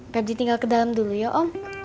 pep ditinggal ke dalam dulu ya om